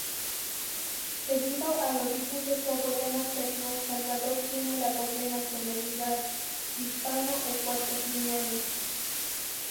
Debido al origen de su abuelo materno, Salvador tiene la doble nacionalidad hispano-ecuatoguineana.